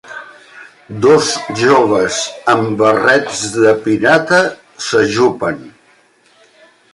Dos joves amb barrets de pirata s'ajupen.